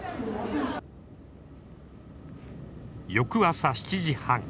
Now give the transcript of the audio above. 翌朝７時半。